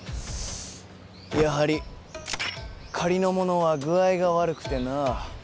やはり仮のものは具合が悪くてな。